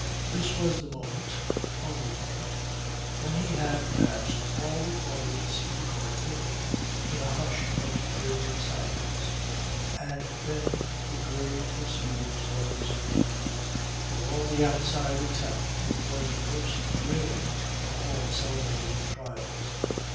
This was the moment, the only moment, when he had perhaps all the audience in Court with him, in a hush of dreary silence. And then the dreary proceedings were resumed. For all the outside excitement it was the most dreary of all celebrated trials.